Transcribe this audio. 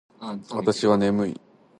わたしはねむいです。